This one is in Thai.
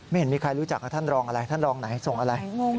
เห็นมีใครรู้จักท่านรองอะไรท่านรองไหนส่งอะไร